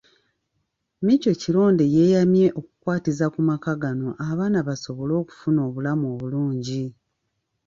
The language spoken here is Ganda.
Micheal Kironde yeeyamye okukwatiza ku maka gano abaana basobole okufuna obulamu obulungi.